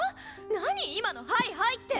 何今のハイハイって！